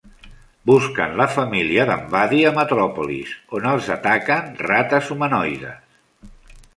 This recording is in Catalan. Busquen la família d'en Buddy a Metròpolis, on els ataquen rates humanoides.